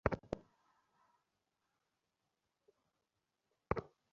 আমরা একটা পেয়েছি!